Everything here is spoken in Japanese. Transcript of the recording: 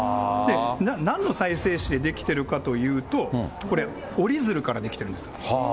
なんの再生紙で出来てるかというと、折り鶴から出来てるんです。